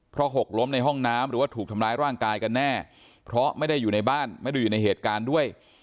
เพราะหกล้มในห้องน้ำหรือว่าถูกทำร้ายร่างกายกันแน่เพราะไม่ได้อยู่ในบ้านไม่ได้อยู่ในเหตุการณ์ด้วย